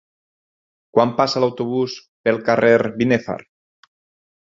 Quan passa l'autobús pel carrer Binèfar?